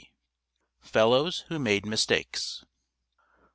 FELLOWS WHO MADE MISTAKES.